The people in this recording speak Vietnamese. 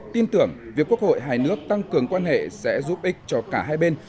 tin tưởng việc quốc hội hai nước tăng cường quan hệ sẽ giúp ích cho cả hai bên